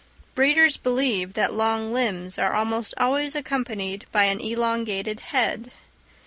Breeders believe that long limbs are almost always accompanied by an elongated head.